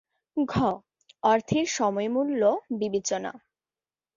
ঘ. অর্থের সময় মূল্য বিবেচনা